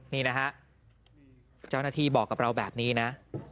นี่นะฮะเจ้าหน้าที่บอกกับเราแบบนี้นะ